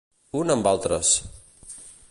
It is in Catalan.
Un amb altres.